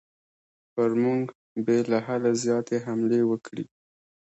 پر موږ به له حده زیاتې حملې وکړي.